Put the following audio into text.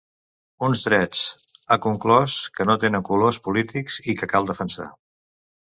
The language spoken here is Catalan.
Uns drets, ha conclòs, que ‘no tenen colors polítics’ i que cal defensar.